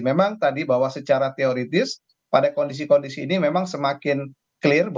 memang tadi bahwa secara teoritis pada kondisi kondisi ini memang semakin clear